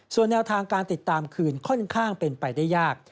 ส่วนแนวทางการติดตามคืนค่อนข้างเป็นไปได้ยาก